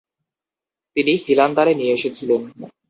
তিনি হিলান্দারে নিয়ে এসেছিলেন।